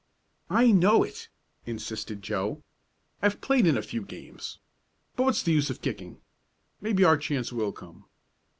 "I know it!" insisted Joe. "I've played in a few games. But what's the use of kicking? Maybe our chance will come."